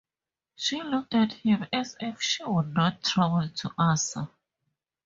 She looked at him as if she would not trouble to answer.